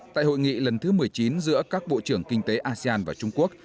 tại hội nghị lần thứ một mươi chín giữa các bộ trưởng kinh tế asean và trung quốc